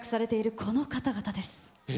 この方々です。